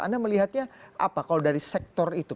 anda melihatnya apa kalau dari sektor itu